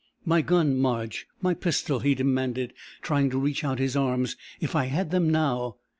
"My gun, Marge my pistol!" he demanded, trying to reach out his arms. "If I had them now...."